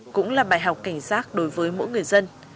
cũng là bài học cảnh giác đối với mỗi người dân